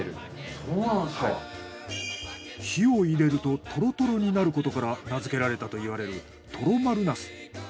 火を入れるとトロトロになることから名付けられたと言われるトロまるナス。